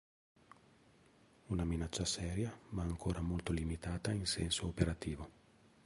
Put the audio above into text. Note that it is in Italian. Una minaccia seria, ma ancora molto limitata in senso operativo.